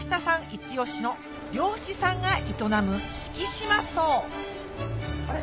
イチ押しの漁師さんが営むあれ？